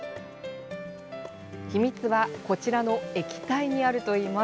秘密はこちらの液体にあるといいます。